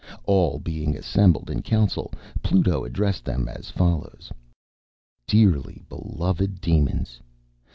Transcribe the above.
All being assembled in council, Pluto addressed them as follows: ŌĆ£Dearly beloved demons!